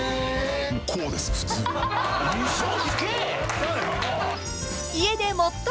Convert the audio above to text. こうです普通に。